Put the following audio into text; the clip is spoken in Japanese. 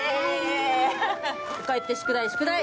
帰って宿題宿題！